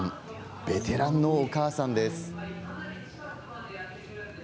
ベテランのお母さんです。